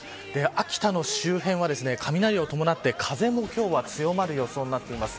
秋田の周辺は雷を伴って風も今日は強まる予想になっています。